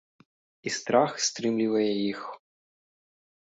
І страх стрымлівае іх.